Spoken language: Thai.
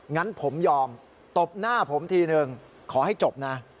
งั้นผมยอมตบหน้าผมทีนึงขอให้จบนะ